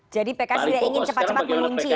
jadi pks tidak ingin cepat cepat melunci ya